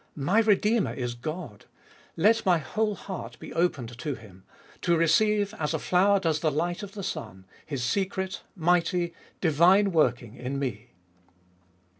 My Redeemer is God! let my whole heart be opened to Him, to receive, as a flower does the light of the sun, His secret, mighty, divine working in me.